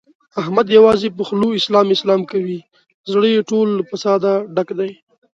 احمد یوازې په خوله اسلام اسلام کوي، زړه یې ټول له فساده ډک دی.